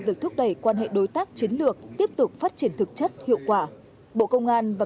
việc thúc đẩy quan hệ đối tác chiến lược tiếp tục phát triển thực chất hiệu quả bộ công an và